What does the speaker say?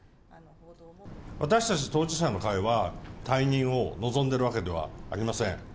私たち当事者の会は、退任を望んでるわけではありません。